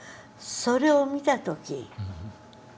それを見た時。